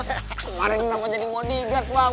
kemarin kenapa jadi mau digat bang